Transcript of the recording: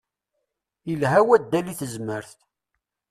Ilha waddal i tezmert.